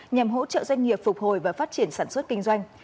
nhằm hỗ trợ doanh nghiệp phục hồi và phát triển sản xuất kinh doanh